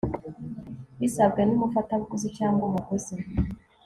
bisabwe n umufatabuguzi cyangwa umuguzi